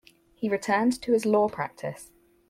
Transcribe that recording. He returned to his law practice.